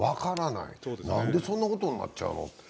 なんでそんなことになっちゃうの？